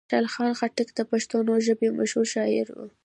خوشحال خان خټک د پښتو ژبې مشهور شاعر و.